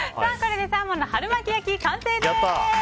サーモンの春巻き焼き完成です。